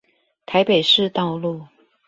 台北市道路